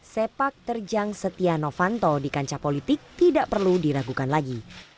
sepak terjang setia novanto di kancah politik tidak perlu diragukan lagi